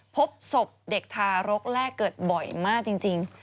พบศพเด็กทารกแรกเกิดบ่อยมากจริง